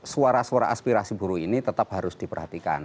suara suara aspirasi buruh ini tetap harus diperhatikan